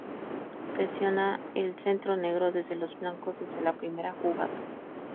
Presiona el centro negro desde los flancos, desde la primera jugada.